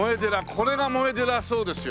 これが萌え寺だそうですよ。